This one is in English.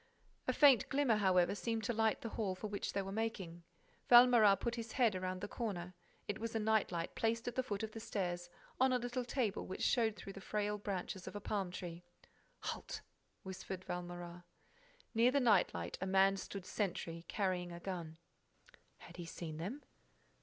A faint glimmer, however, seemed to light the hall for which they were making. Valméras put his head round the corner. It was a night light placed at the foot of the stairs, on a little table which showed through the frail branches of a palm tree. "Halt!" whispered Valméras. Near the night light, a man stood sentry, carrying a gun. Had he seen them?